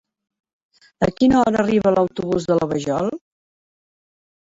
A quina hora arriba l'autobús de la Vajol?